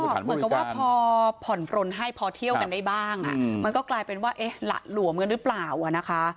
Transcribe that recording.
เหมือนกับว่าพอผ่อนปลนให้พอเที่ยวกันได้บ้างมันก็กลายเป็นว่าเอ๊ะหละหลวมกันหรือเปล่านะคะ